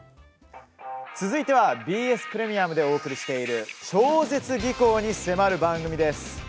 続いてはＢＳプレミアムでお送りしている超絶技巧に迫る番組です。